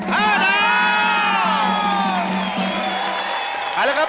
๕ดาว